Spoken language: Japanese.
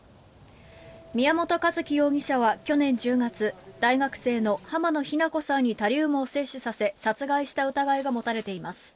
宮本一希容疑者は去年１０月大学生の浜野日菜子さんにタリウムを摂取させ殺害した疑いが持たれています。